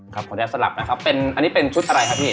ขออนุญาตสลับนะครับเป็นอันนี้เป็นชุดอะไรครับพี่